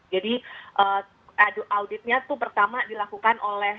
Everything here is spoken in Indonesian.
jadi auditnya itu pertama dilakukan oleh